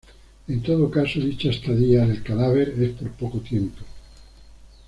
En todo caso dicha estadía del cadáver es por poco tiempo.